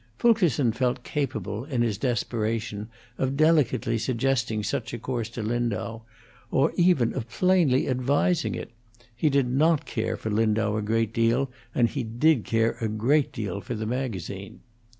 Fulkerson felt capable, in his desperation, of delicately suggesting such a course to Lindau, or even of plainly advising it: he did not care for Lindau a great deal, and he did care a great deal for the magazine.